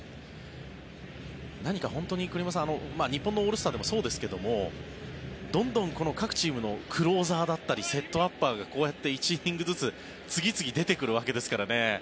何か本当に、日本のオールスターでもそうですけどどんどん各チームのクローザーだったりセットアッパーがこうやって１イニングずつ次々出てくるわけですからね。